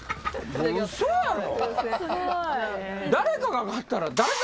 嘘やろ？